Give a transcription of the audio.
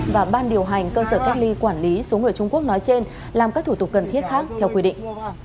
và ban điều hành cơ sở cách ly quản lý số người trung quốc nói trên làm các thủ tục cần thiết khác theo quy định